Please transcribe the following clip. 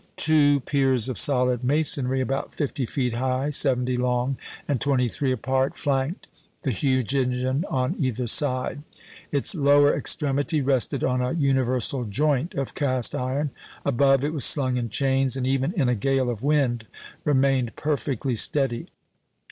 Two piers of solid masonry, about fifty feet high, seventy long, and twenty three apart, flanked the huge engine on either side. Its lower extremity rested on a universal joint of cast iron; above, it was slung in chains, and even in a gale of wind remained perfectly steady.